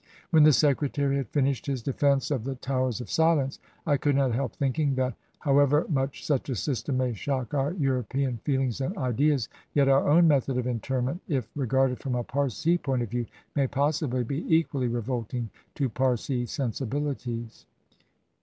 When the Secretary had finished his defense of the Towers of Silence, I could not help thinking that how ever much such a system may shock our European feelings and ideas, yet our own method of interment, if regarded from a Parsi point of view, may possibly be equally revolting to Parsi sensibilities.